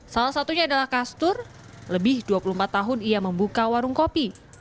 salah satunya adalah kastur lebih dua puluh empat tahun ia membuka warung kopi